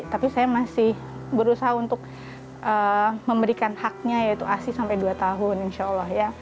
tapi saya masih berusaha untuk memberikan haknya yaitu asi sampai dua tahun insya allah ya